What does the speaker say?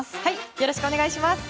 よろしくお願いします。